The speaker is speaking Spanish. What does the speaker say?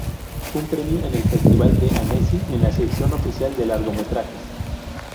Un premio en el Festival de Annecy en la sección oficial de largometrajes.